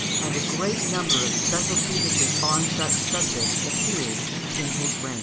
and a great number of special treatises on such subjects appeared in his reign.